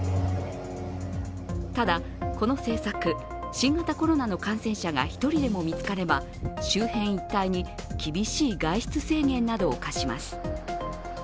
ただこの政策、新型コロナの感染者がり１人でも見つかれば周辺一帯に厳しい外出制限などを課します。